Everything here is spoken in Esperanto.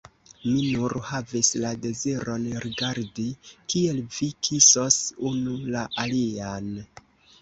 Mi nur havis la deziron rigardi, kiel vi kisos unu la alian.